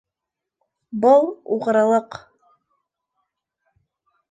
Был - уғрылыҡ.